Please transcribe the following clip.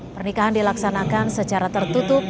pernikahan dilaksanakan secara tertutup